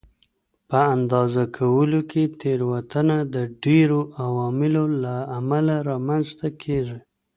په اندازه کولو کې تېروتنه د ډېرو عواملو له امله رامنځته کېږي.